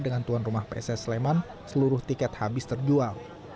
dengan tuan rumah pss sleman seluruh tiket habis terjual